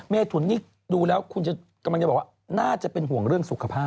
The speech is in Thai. เมถุนนี่ดูแล้วคุณกำลังจะบอกว่าน่าจะเป็นห่วงเรื่องสุขภาพ